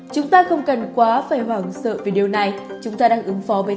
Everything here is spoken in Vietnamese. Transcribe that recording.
chúng ta không cần quá phải hoảng sợ về điều này chúng ta đang ứng phó với tình hình